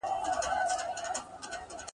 چي له ستوني دي آواز نه وي وتلی !.